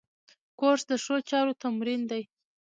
کورس د ښو چارو تمرین دی.